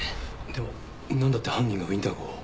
でもなんだって犯人がウィンター号を？